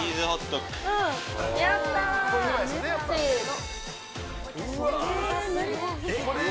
せの。